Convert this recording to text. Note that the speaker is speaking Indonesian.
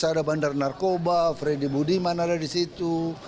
ada bandar narkoba freddy budiman ada di situ